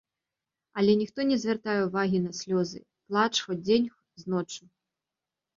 Але ніхто не звяртае ўвагі на слёзы, плач хоць дзень з ноччу.